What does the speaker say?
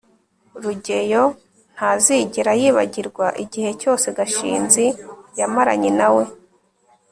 rugeyo ntazigera yibagirwa igihe cyose gashinzi yamaranye na we